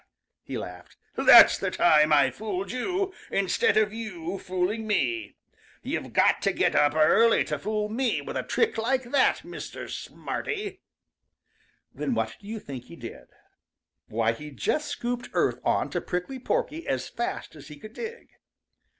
he laughed. "That's the time I fooled you instead of you fooling me! You've got to get up early to fool me with a trick like that, Mr. Smarty!" Then what do you think he did? Why, he just scooped earth on to Prickly Porky as fast as he could dig.